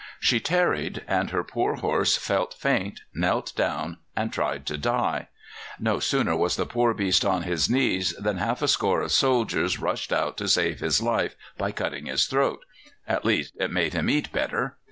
She tarried, and her poor horse felt faint, knelt down, and tried to die. No sooner was the poor beast on his knees than half a score of soldiers rushed out to save his life by cutting his throat at least, it made him eat better.